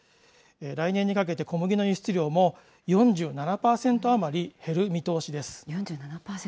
来年にかけて小麦の輸出量も４７％余り減る見通しです。